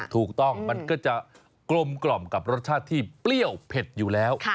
ถูกต้องมันก็จะกลมกล่อมกับรสชาติที่เปรี้ยวเผ็ดอยู่แล้ว